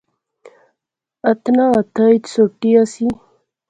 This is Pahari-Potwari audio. اۃناں نے ہتھا اچ سوٹی اسی